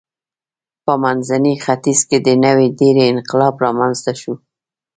په منځني ختیځ کې د نوې ډبرې انقلاب رامنځته شو.